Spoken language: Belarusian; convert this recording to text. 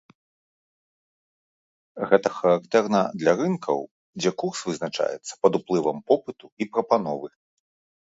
Гэта характэрна для рынкаў, дзе курс вызначаецца пад уплывам попыту і прапановы.